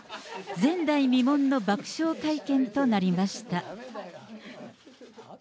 前代未聞の爆笑会見となりました。